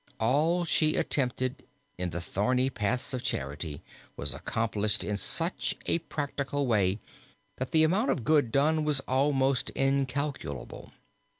All she attempted in the thorny paths of charity was accomplished in such a practical way that the amount of good done was almost incalculable.